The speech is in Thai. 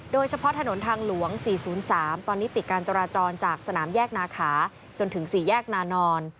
โดยเฉพาะถนนทางหลวง๔๐๓ปิดจราจรจากสนามแยกหนาขาตรงถึงสี่แยกหนานอน